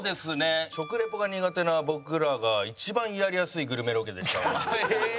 食レポが苦手な僕らが一番やりやすいグルメロケでした。